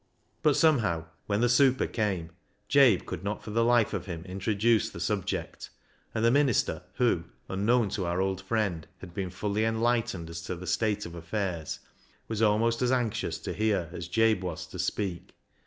But, somehow, when the super came, Jabe could not for the life of him introduce the sub ject, and the minister, who, unknown to our old friend, had been fully enlightened as to the state of affairs, was almost as anxious to hear as Jabe was to speak.